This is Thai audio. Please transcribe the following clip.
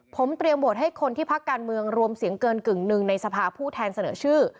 ผมเตรียมโหวตให้คนที่พักการเมืองรวมเสียงเกินกึ่งหนึ่งในสภาผู้แทนเสนอชื่อ